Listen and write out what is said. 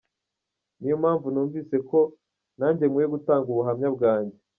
Niyo mpamvu numvise ko nanjye nkwiye gutanga ubuhamya bwanjye.